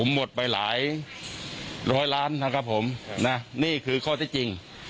หมดไปหลายร้อยล้านนะครับผมนะนี่คือข้อที่จริง